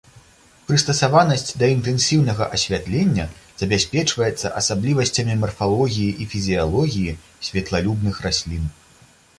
Прыстасаванасць да інтэнсіўнага асвятлення забяспечваецца асаблівасцямі марфалогіі і фізіялогіі святлалюбных раслін.